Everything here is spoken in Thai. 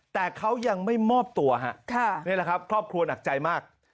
แต่เขายังไม่มอบตัวครอบครัวหนักใจมาก